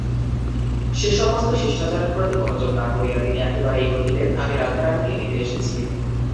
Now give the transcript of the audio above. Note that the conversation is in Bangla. সে-সমস্ত শিষ্টাচারের প্রতি মনোযোগ না করিয়া তিনি একেবারেই কহিলেন, আমি রাধারানীকে নিতে এসেছি।